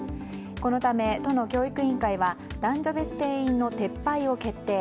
このため都の教育委員会は男女別定員の撤廃を決定。